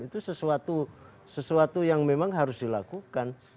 itu sesuatu yang memang harus dilakukan